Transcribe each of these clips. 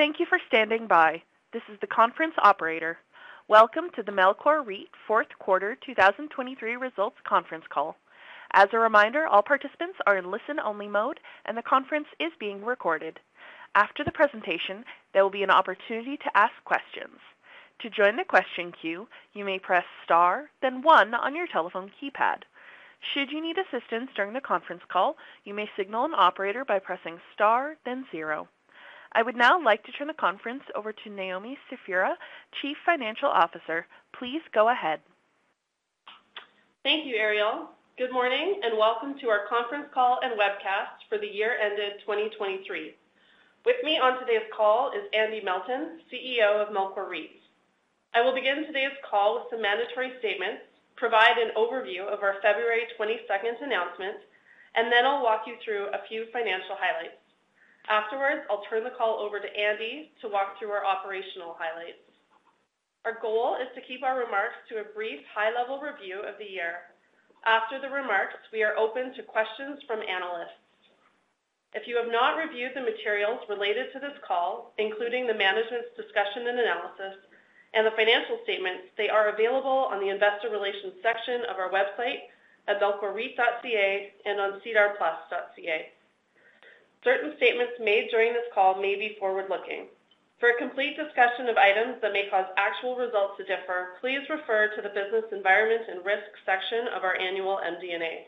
Thank you for standing by. This is the conference operator. Welcome to the Melcor REIT Fourth Quarter 2023 Results Conference Call. As a reminder, all participants are in listen-only mode, and the conference is being recorded. After the presentation, there will be an opportunity to ask questions. To join the question queue, you may press Star, then one on your telephone keypad. Should you need assistance during the conference call, you may signal an operator by pressing Star, then zero. I would now like to turn the conference over to Naomi Stefura, Chief Financial Officer. Please go ahead. Thank you, Ariel. Good morning, and welcome to our conference call and webcast for the year ended 2023. With me on today's call is Andy Melton, CEO of Melcor REIT. I will begin today's call with some mandatory statements, provide an overview of our February 22nd announcement, and then I'll walk you through a few financial highlights. Afterwards, I'll turn the call over to Andy to walk through our operational highlights. Our goal is to keep our remarks to a brief, high-level review of the year. After the remarks, we are open to questions from analysts. If you have not reviewed the materials related to this call, including the Management's Discussion and Analysis and the financial statements, they are available on the investor relations section of our website at melcorreit.ca and on sedarplus.ca. Certain statements made during this call may be forward-looking. For a complete discussion of items that may cause actual results to differ, please refer to the Business Environment and Risk section of our annual MD&A.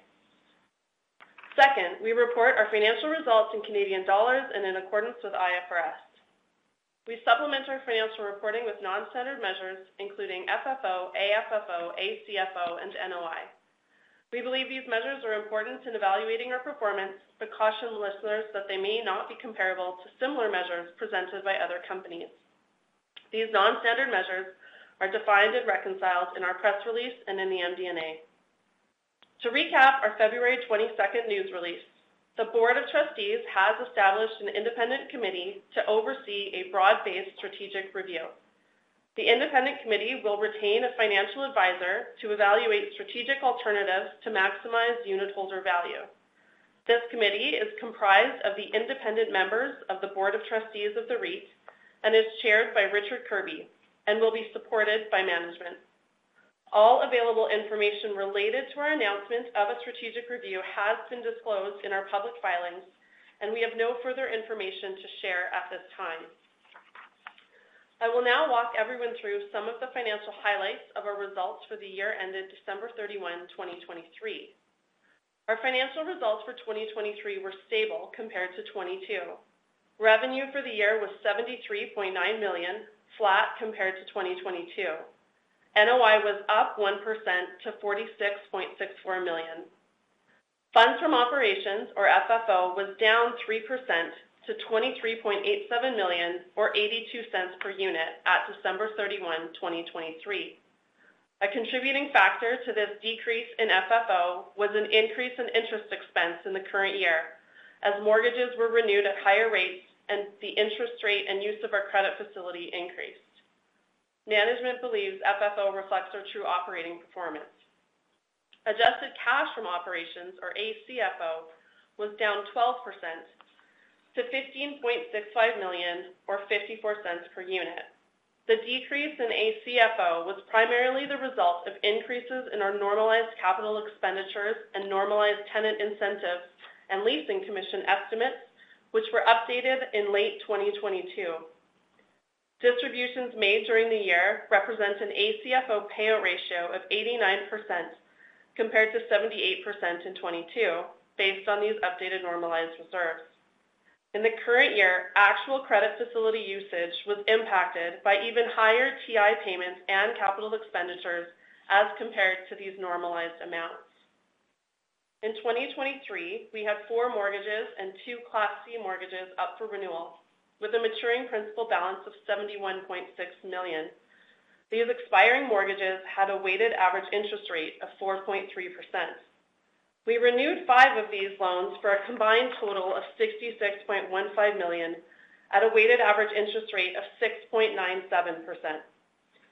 Second, we report our financial results in Canadian dollars and in accordance with IFRS. We supplement our financial reporting with non-standard measures, including FFO, AFFO, ACFO, and NOI. We believe these measures are important in evaluating our performance, but caution listeners that they may not be comparable to similar measures presented by other companies. These non-standard measures are defined and reconciled in our press release and in the MD&A. To recap our February twenty-second news release, the Board of Trustees has established an independent committee to oversee a broad-based strategic review. The independent committee will retain a financial advisor to evaluate strategic alternatives to maximize unitholder value. This committee is comprised of the independent members of the Board of Trustees of the REIT and is chaired by Richard Kirby and will be supported by management. All available information related to our announcement of a strategic review has been disclosed in our public filings, and we have no further information to share at this time. I will now walk everyone through some of the financial highlights of our results for the year ended December 31, 2023. Our financial results for 2023 were stable compared to 2022. Revenue for the year was CAD 73.9 million, flat compared to 2022. NOI was up 1% to CAD 46.64 million. Funds from operations, or FFO, was down 3% to 23.87 million, or 0.82 per unit at December 31, 2023. A contributing factor to this decrease in FFO was an increase in interest expense in the current year, as mortgages were renewed at higher rates and the interest rate and use of our credit facility increased. Management believes FFO reflects our true operating performance. Adjusted cash from operations, or ACFO, was down 12% to 15.65 million, or 0.54 per unit. The decrease in ACFO was primarily the result of increases in our normalized capital expenditures and normalized tenant incentives and leasing commission estimates, which were updated in late 2022. Distributions made during the year represent an ACFO payout ratio of 89%, compared to 78% in 2022, based on these updated normalized reserves. In the current year, actual credit facility usage was impacted by even higher TI payments and capital expenditures as compared to these normalized amounts. In 2023, we had 4 mortgages and 2 Class C mortgages up for renewal, with a maturing principal balance of 71.6 million. These expiring mortgages had a weighted average interest rate of 4.3%. We renewed five of these loans for a combined total of 66.15 million, at a weighted average interest rate of 6.97%.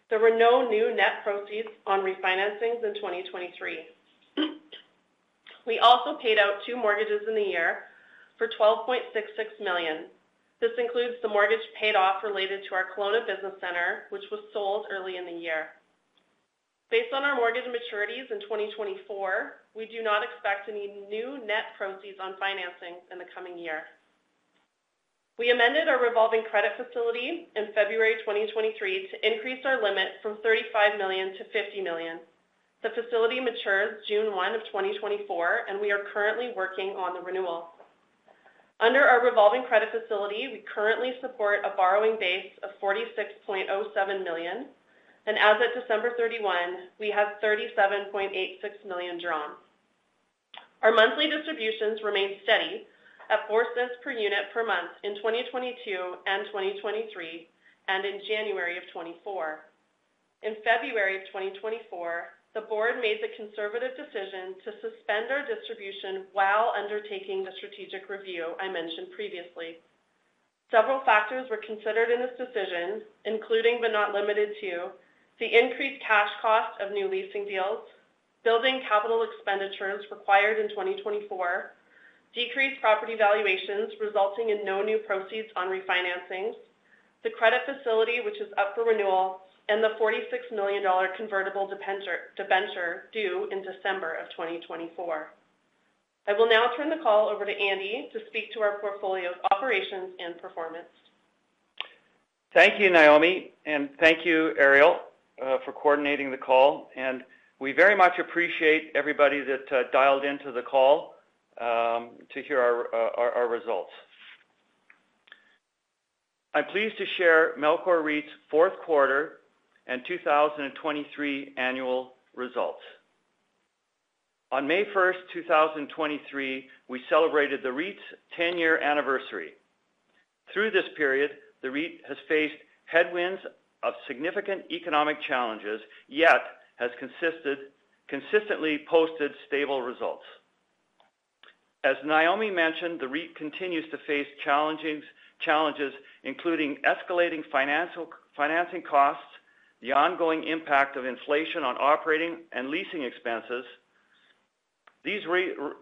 There were no new net proceeds on refinancings in 2023. We also paid out two mortgages in the year for 12.66 million. This includes the mortgage paid off related to our Kelowna Business Centre, which was sold early in the year. Based on our mortgage maturities in 2024, we do not expect any new net proceeds on financing in the coming year. We amended our revolving credit facility in February 2023 to increase our limit from 35 million to 50 million. The facility matures June 1, 2024, and we are currently working on the renewal. Under our revolving credit facility, we currently support a borrowing base of 46.07 million, and as of December 31, we have 37.86 million drawn. Our monthly distributions remained steady at 0.04 per unit per month in 2022 and 2023, and in January 2024. In February 2024, the board made the conservative decision to suspend our distribution while undertaking the strategic review I mentioned previously. Several factors were considered in this decision, including, but not limited to: the increased cash cost of new leasing deals. Building capital expenditures required in 2024, decreased property valuations resulting in no new proceeds on refinancings, the credit facility, which is up for renewal, and the 46 million dollar convertible debenture due in December 2024. I will now turn the call over to Andy to speak to our portfolio's operations and performance. Thank you, Naomi, and thank you, Ariel, for coordinating the call, and we very much appreciate everybody that dialed into the call to hear our results. I'm pleased to share Melcor REIT's Q4 and 2023 annual results. On May 1, 2023, we celebrated the REIT's 10-year anniversary. Through this period, the REIT has faced headwinds of significant economic challenges, yet has consistently posted stable results. As Naomi mentioned, the REIT continues to face challenges, including escalating financing costs, the ongoing impact of inflation on operating and leasing expenses. These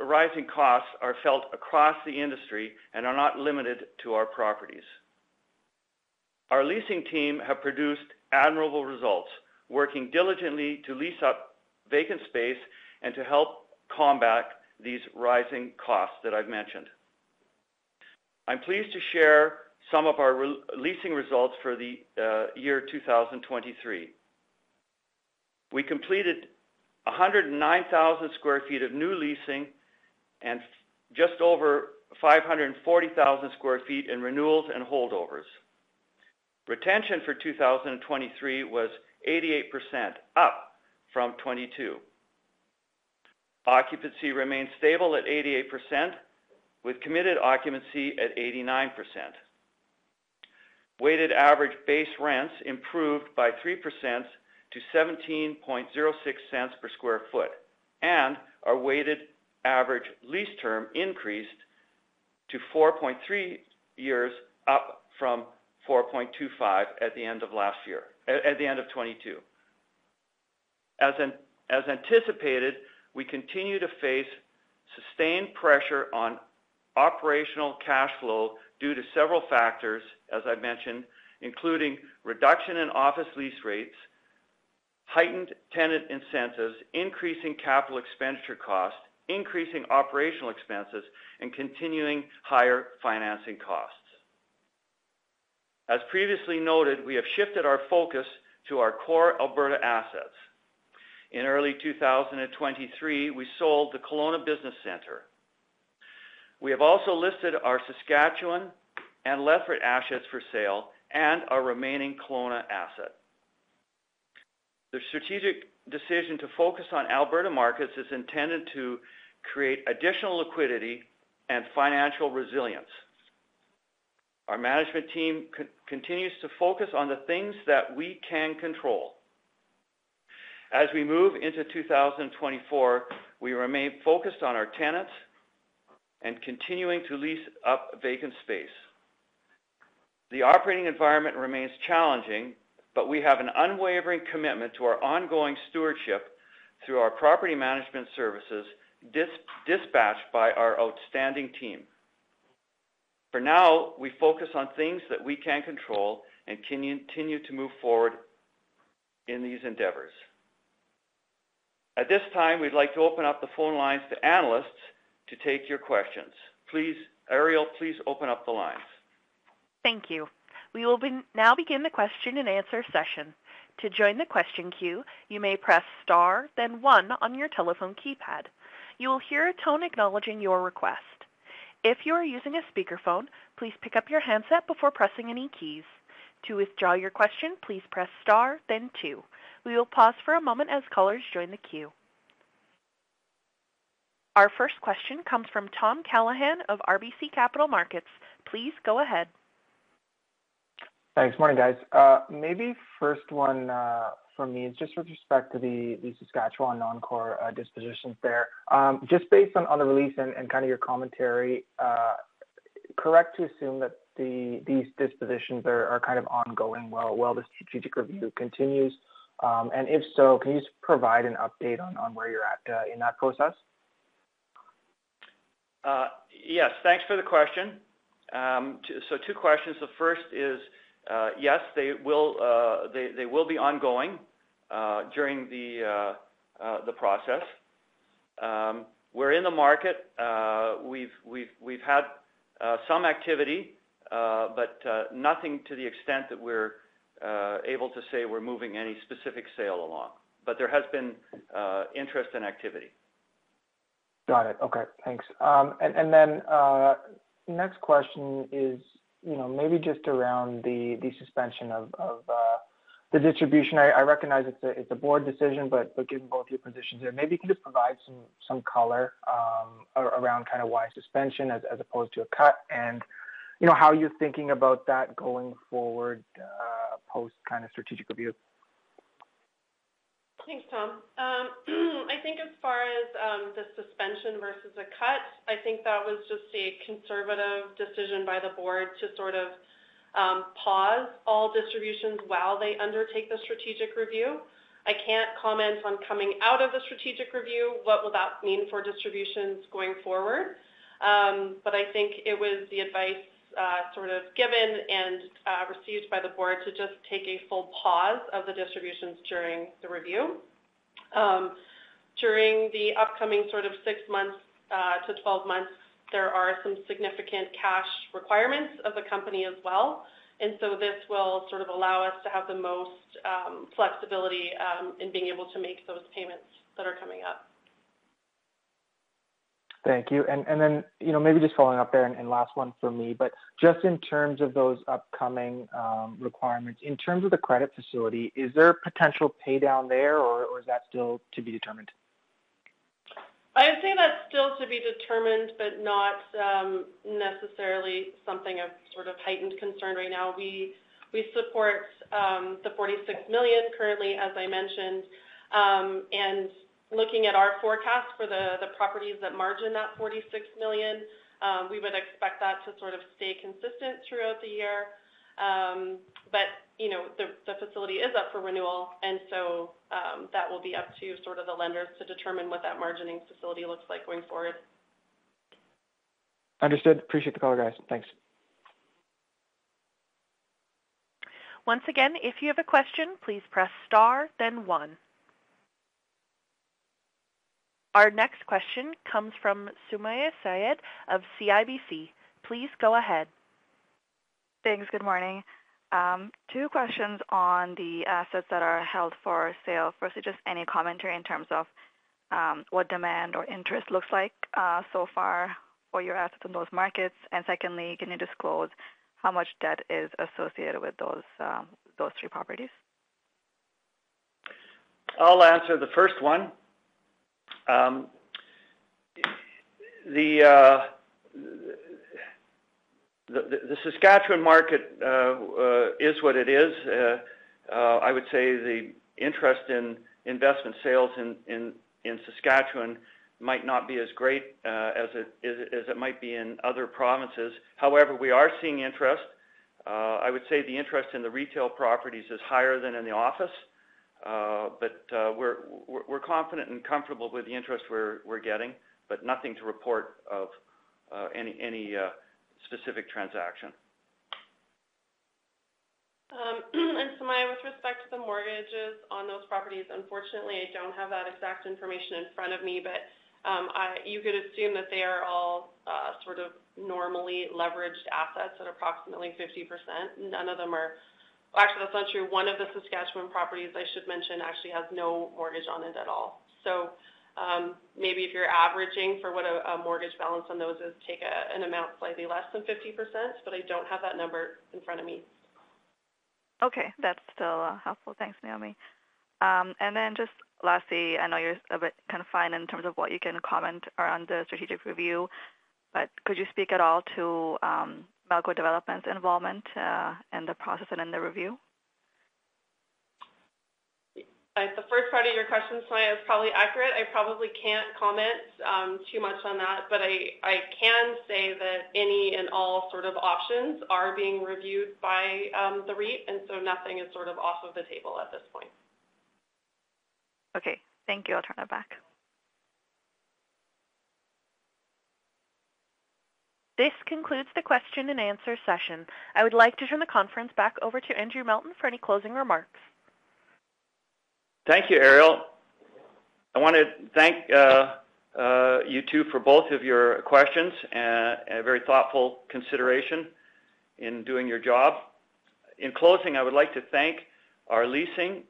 rising costs are felt across the industry and are not limited to our properties. Our leasing team have produced admirable results, working diligently to lease up vacant space and to help combat these rising costs that I've mentioned. I'm pleased to share some of our re-leasing results for the year 2023. We completed 109,000 sq ft of new leasing and just over 540,000 sq ft in renewals and holdovers. Retention for 2023 was 88%, up from 22. Occupancy remains stable at 88%, with committed occupancy at 89%. Weighted average base rents improved by 3% to 0.1706 per sq ft, and our weighted average lease term increased to 4.3 years, up from 4.25 at the end of last year, at the end of 2022. As anticipated, we continue to face sustained pressure on operational cash flow due to several factors, as I mentioned, including reduction in office lease rates, heightened tenant incentives, increasing capital expenditure costs, increasing operational expenses, and continuing higher financing costs. As previously noted, we have shifted our focus to our core Alberta assets. In early 2023, we sold the Kelowna Business Centre. We have also listed our Saskatchewan and Lethbridge assets for sale and our remaining Kelowna asset. The strategic decision to focus on Alberta markets is intended to create additional liquidity and financial resilience. Our management team continues to focus on the things that we can control. As we move into 2024, we remain focused on our tenants and continuing to lease up vacant space. The operating environment remains challenging, but we have an unwavering commitment to our ongoing stewardship through our property management services, dispatched by our outstanding team. For now, we focus on things that we can control and continue to move forward in these endeavors. At this time, we'd like to open up the phone lines to analysts to take your questions. Please, Ariel, please open up the lines. Thank you. We will now begin the question and answer session. To join the question queue, you may press Star, then One on your telephone keypad. You will hear a tone acknowledging your request. If you are using a speakerphone, please pick up your handset before pressing any keys. To withdraw your question, please press Star, then Two. We will pause for a moment as callers join the queue. Our first question comes from Tom Callaghan of RBC Capital Markets. Please go ahead. Thanks. Morning, guys. Maybe first one for me is just with respect to the Saskatchewan non-core dispositions there. Just based on the release and kind of your commentary, correct to assume that these dispositions are kind of ongoing while the strategic review continues? And if so, can you just provide an update on where you're at in that process? Yes, thanks for the question. So two questions. The first is, yes, they will, they will be ongoing during the process. We're in the market, we've had some activity, but nothing to the extent that we're able to say we're moving any specific sale along. But there has been interest and activity. Got it. Okay, thanks. And then, next question is, you know, maybe just around the suspension of the distribution. I recognize it's a board decision, but given both your positions here, maybe you can just provide some color around kind of why suspension as opposed to a cut, and, you know, how you're thinking about that going forward, post kind of strategic review? Thanks, Tom. I think the suspension versus a cut, I think that was just a conservative decision by the board to sort of pause all distributions while they undertake the strategic review. I can't comment on coming out of the strategic review, what will that mean for distributions going forward? But I think it was the advice sort of given and received by the board to just take a full pause of the distributions during the review. During the upcoming sort of six months to 12 months, there are some significant cash requirements of the company as well, and so this will sort of allow us to have the most flexibility in being able to make those payments that are coming up. Thank you. And then, you know, maybe just following up there and last one for me, but just in terms of those upcoming requirements, in terms of the credit facility, is there a potential pay down there, or is that still to be determined? I'd say that's still to be determined, but not necessarily something of sort of heightened concern right now. We support 46 million currently, as I mentioned. And looking at our forecast for the properties that margin that 46 million, we would expect that to sort of stay consistent throughout the year. But you know, the facility is up for renewal, and so that will be up to sort of the lenders to determine what that margining facility looks like going forward. Understood. Appreciate the call, guys. Thanks. Once again, if you have a question, please press star, then one. Our next question comes from Sumayya Syed of CIBC. Please go ahead. Thanks. Good morning. Two questions on the assets that are held for sale. Firstly, just any commentary in terms of what demand or interest looks like so far for your assets in those markets? And secondly, can you disclose how much debt is associated with those three properties? I'll answer the first one. The Saskatchewan market is what it is. I would say the interest in investment sales in Saskatchewan might not be as great as it might be in other provinces. However, we are seeing interest. I would say the interest in the retail properties is higher than in the office, but we're confident and comfortable with the interest we're getting, but nothing to report of any specific transaction. Sumayya, with respect to the mortgages on those properties, unfortunately, I don't have that exact information in front of me, but you could assume that they are all sort of normally leveraged assets at approximately 50%. None of them are. Actually, that's not true. One of the Saskatchewan properties, I should mention, actually has no mortgage on it at all. So, maybe if you're averaging for what a mortgage balance on those is, take an amount slightly less than 50%, but I don't have that number in front of me. Okay. That's still helpful. Thanks, Naomi. And then just lastly, I know you're a bit kind of fine in terms of what you can comment around the strategic review, but could you speak at all to Melcor Developments' involvement in the process and in the review? The first part of your question, Sumayya, is probably accurate. I probably can't comment too much on that, but I can say that any and all sort of options are being reviewed by the REIT, and so nothing is sort of off of the table at this point. Okay. Thank you. I'll turn it back. This concludes the question and answer session. I would like to turn the conference back over to Andrew Melton for any closing remarks. Thank you, Ariel. I want to thank you two for both of your questions, a very thoughtful consideration in doing your job. In closing, I would like to thank our leasing,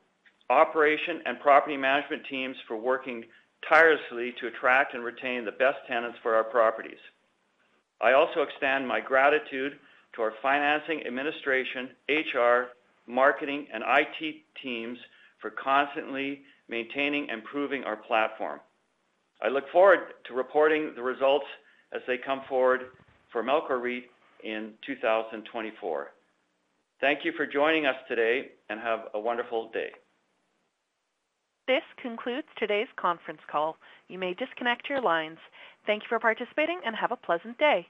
operation, and property management teams for working tirelessly to attract and retain the best tenants for our properties. I also extend my gratitude to our financing, administration, HR, marketing, and IT teams for constantly maintaining and improving our platform. I look forward to reporting the results as they come forward for Melcor REIT in 2024. Thank you for joining us today, and have a wonderful day. This concludes today's conference call. You may disconnect your lines. Thank you for participating, and have a pleasant day.